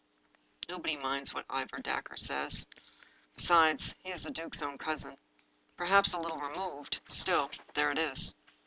Nobody minds what Ivor Dacre says. Besides, he is the duke's own cousin. Perhaps a little removed ; still, there it is.